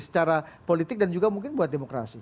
secara politik dan juga mungkin buat demokrasi